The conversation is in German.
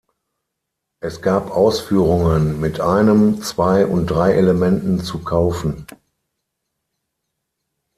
Es gab Ausführungen mit einem, zwei und drei Elementen zu kaufen.